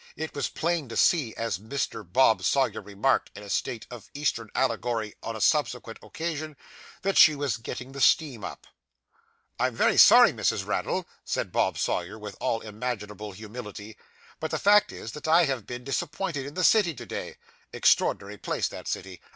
It was plain to see, as Mr. Bob Sawyer remarked in a style of Eastern allegory on a subsequent occasion, that she was 'getting the steam up.' 'I am very sorry, Mrs. Raddle,' said Bob Sawyer, with all imaginable humility, 'but the fact is, that I have been disappointed in the City to day.' Extraordinary place that City.